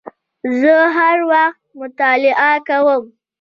زه هر وخت مطالعه کوم